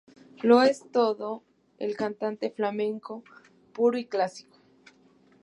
Lo es todo el cante flamenco puro y clásico.